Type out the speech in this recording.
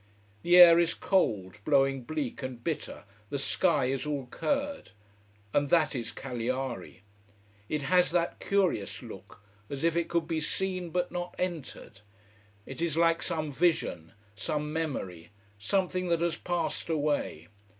The air is cold, blowing bleak and bitter, the sky is all curd. And that is Cagliari. It has that curious look, as if it could be seen, but not entered. It is like some vision, some memory, something that has passed away.